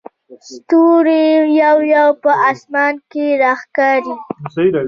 ستوري یو یو په اسمان کې راښکاري.